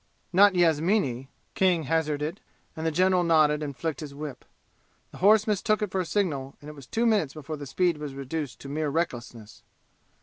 "Not Yasmini?" King hazarded, and the general nodded and flicked his whip. The horse mistook it for a signal, and it was two minutes before the speed was reduced to mere recklessness.